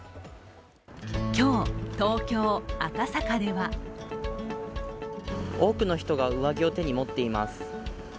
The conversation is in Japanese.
今日、東京・赤坂では多くの人が上着を手に持っています。